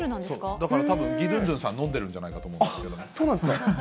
そう、だからギドゥンドゥンさん、飲んでるんじゃないかと思うんですけど。